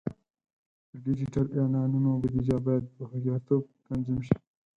د ډیجیټل اعلانونو بودیجه باید په هوښیارتوب تنظیم شي.